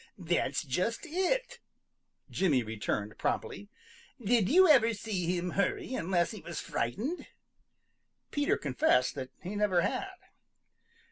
"That's just it," Jimmy returned promptly. "Did you ever see him hurry unless he was frightened?" Peter confessed that he never had.